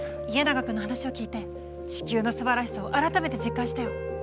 家長君の話を聞いて地球のすばらしさを改めて実感したよ。